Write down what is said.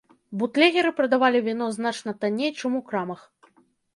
Бутлегеры прадавалі віно значна танней, чым у крамах.